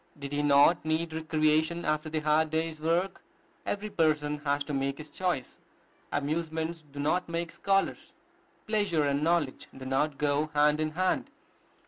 Did he not need recreation after the hard day's work? Every person has to make his choice. Amusements do not make scholars: pleasure and knowledge do not go hand in hand.